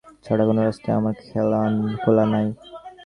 প্রাণ হাঁপিয়ে ওঠে, মনে হয় মরণ ছাড়া কোনো রাস্তাই আমার খোলা নেই।